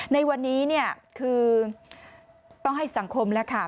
ในวันนี้เนี่ยคือต้องให้สังคมแล้วค่ะ